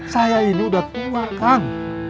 saya ini udah tua kang